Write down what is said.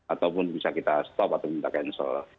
ataupun bisa kita stop atau minta cancel